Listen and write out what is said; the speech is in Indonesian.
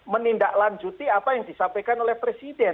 menindaklanjuti apa yang disampaikan oleh presiden